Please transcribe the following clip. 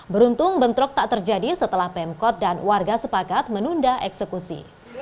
beruntung bentrok tak terjadi setelah pemkot dan warga sepakat menunda eksekusi